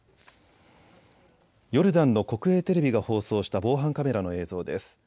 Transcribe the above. ヨルダンの国営テレビが放送した防犯カメラの映像です。